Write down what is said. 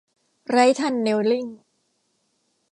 ไร้ท์ทันเน็ลลิ่ง